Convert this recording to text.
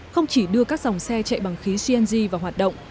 không chỉ đưa các dòng xe chạy bằng khí cng vào hoạt động